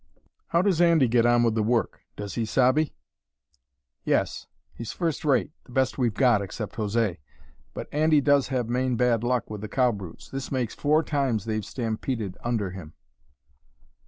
"How does Andy get on with the work? Does he sabe?" "Yes; he's first rate; the best we've got, except José. But Andy does have main bad luck with the cow brutes. This makes four times they've stampeded under him."